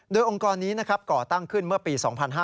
โดยองค์กรนี้ก่อตั้งขึ้นเมื่อปี๒๕๕๙